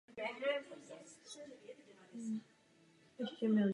I nadále budeme pozorní a přísní.